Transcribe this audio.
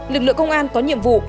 lực lượng công an có nhiệm vụ